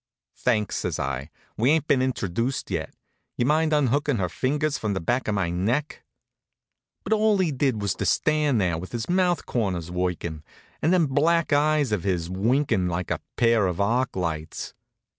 "Thanks," says I. "We ain't been introduced yet. Do you mind unhookin' her fingers from the back of my neck?" But all he did was to stand there with his mouth corners workin', and them black eyes of his winkin' like a pair of arc lights.